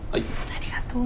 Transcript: ありがとう。